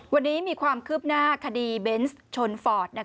วันนี้มีความคืบหน้าคดีเบนส์ชนฟอร์ด